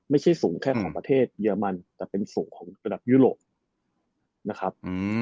ไม่ใช่สูงแค่ของประเทศเยอรมันแต่เป็นสูงของระดับยุโรปนะครับ